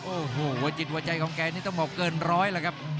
โอ้โหหัวจิตหัวใจของแกนี่ต้องบอกเกินร้อยแล้วครับ